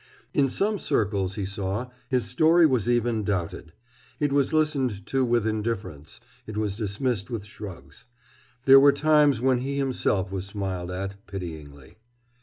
In some circles, he saw, his story was even doubted. It was listened to with indifference; it was dismissed with shrugs. There were times when he himself was smiled at, pityingly.